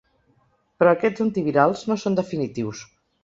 Però aquests antivirals no són definitius.